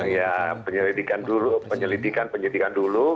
iya penyelidikan dulu penyelidikan penyidikan dulu